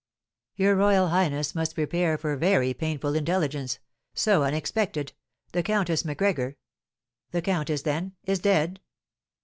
"Your royal highness must prepare for very painful intelligence so unexpected the Countess Macgregor " "The countess, then, is dead?"